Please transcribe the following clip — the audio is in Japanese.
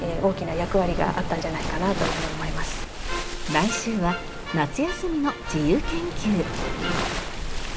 来週は夏休みの自由研究。